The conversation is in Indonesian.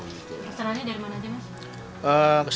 pesanannya dari mana aja mas